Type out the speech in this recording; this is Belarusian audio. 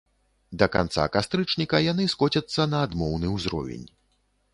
Да канца кастрычніка яны скоцяцца на адмоўны ўзровень.